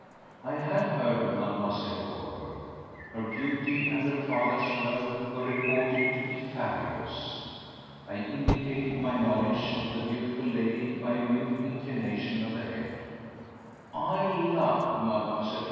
I had heard of Mlle. Goldberg. Her beauty and her father's wealth were reported to be fabulous. I indicated my knowledge of the beautiful lady by a mute inclination of the head. "I love Mlle.